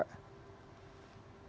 terima kasih pak